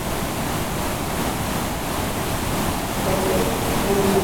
Los anticiclones son menos abundantes que hace unos años.